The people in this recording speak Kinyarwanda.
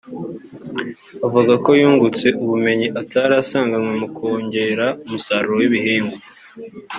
avuga ko yungutse ubumenyi atari asanganywe mu kongera umusaruro w’ibihingwa